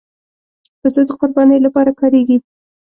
پسه د قربانۍ لپاره کارېږي.